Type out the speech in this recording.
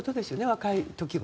若い時は。